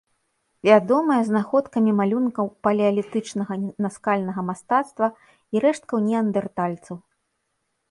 Вядомая знаходкамі малюнкаў палеалітычнага наскальнага мастацтва і рэшткаў неандэртальцаў.